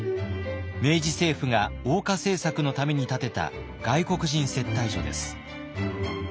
明治政府が欧化政策のために建てた外国人接待所です。